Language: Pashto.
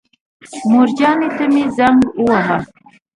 مورجانې ته مې زنګ وواهه.